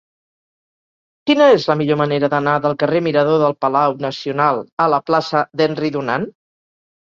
Quina és la millor manera d'anar del carrer Mirador del Palau Nacional a la plaça d'Henry Dunant?